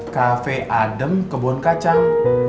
cafe adem kebun kacang